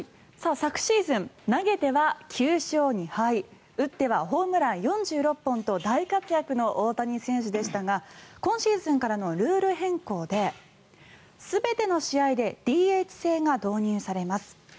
昨シーズン投げては９勝２敗打ってはホームラン４６本と大活躍の大谷選手でしたが今シーズンからのルール変更で全ての試合でＤＨ制が導入されます。